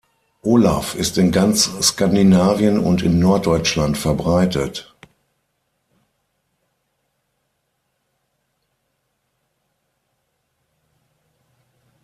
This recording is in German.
Olaf ist in ganz Skandinavien und in Norddeutschland verbreitet.